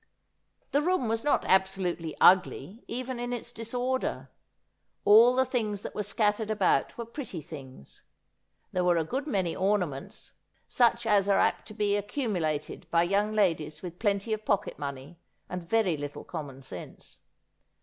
The room was not absolutely ugly, even in its disorder. All the things that were scattered about were pretty things. There were a good many ornaments, such as are apt to be accumulated by young ladies with plenty of pocket money, and very little common sense.